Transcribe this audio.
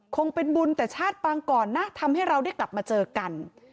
คงเป็นบุญแต่ชาติปางก่อนนะทำให้เราได้กลับมาเจอกัน